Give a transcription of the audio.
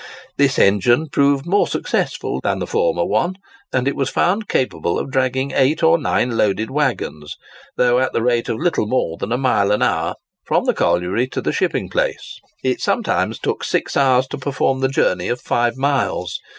This engine proved more successful than the former one; and it was found capable of dragging eight or nine loaded waggons, though at the rate of little more than a mile an hour, from the colliery to the shipping place. It sometimes took six hours to perform the journey of five miles.